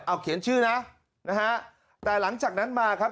เอาเขียนชื่อนะนะฮะแต่หลังจากนั้นมาครับ